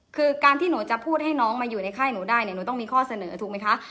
คือการที่หนูจะพูดให้น้องมาอยู่ในค่ายหนูได้เนี่ยหนูต้องมีข้อเสนอถูกไหมคะ